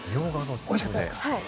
おいしかったです。